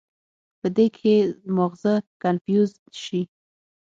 پۀ دې کښې مازغه کنفيوز شي